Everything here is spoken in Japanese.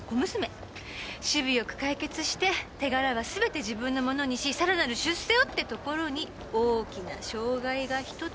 首尾よく解決して手柄はすべて自分のものにしさらなる出世をってところに大きな障害が１つ。